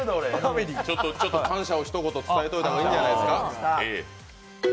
感謝をひと言伝えておいた方がいいんじゃないですか。